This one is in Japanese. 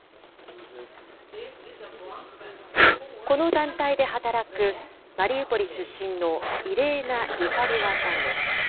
この団体で働くマリウポリ出身のイレーナ・リカリョワさんです。